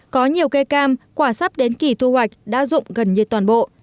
có nhiều cây cam quả sắp đến kỳ thu hoạch đã rụng gần như toàn bộ